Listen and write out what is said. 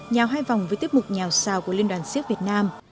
nhào hai vòng với tiết mục nhào xào của liên đoàn siếc việt nam